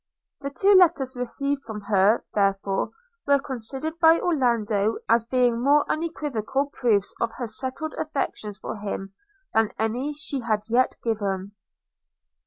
The two letters received from her, therefore, were considered by Orlando as being more unequivocal proofs of her settled affection for him, than any she had yet given.